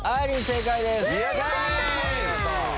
正解です。